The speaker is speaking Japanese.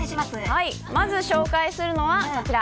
まず紹介するのはこちら。